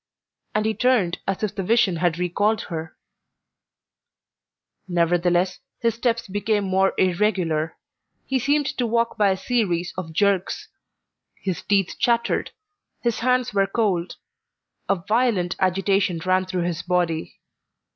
and he turned as if the vision had recalled her. Nevertheless, his steps became more irregular; he seemed to walk by a series of jerks; his teeth chattered; his hands were cold; a violent agitation ran through his body.